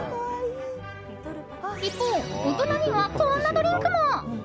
一方、大人にはこんなドリンクも。